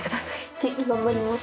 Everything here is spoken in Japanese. はい頑張ります。